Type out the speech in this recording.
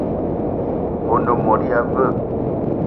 One mot ya veu?